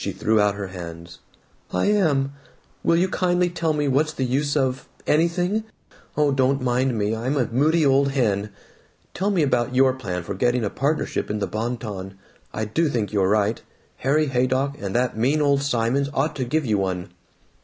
She threw out her hands. "I am! Will you kindly tell me what's the use of anything! Oh, don't mind me. I'm a moody old hen. Tell me about your plan for getting a partnership in the Bon Ton. I do think you're right: Harry Haydock and that mean old Simons ought to give you one."